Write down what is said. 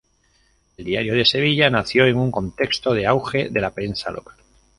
El "Diario de Sevilla" nació en un contexto de auge de la prensa local.